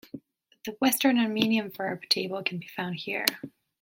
The Western Armenian verb table can be found here.